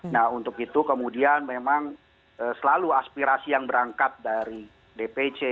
nah untuk itu kemudian memang selalu aspirasi yang berangkat dari dpc